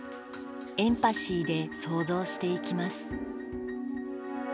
エンパシーで想像していきます